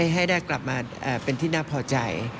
ให้ได้กลับมาเป็นที่น่าพอใจ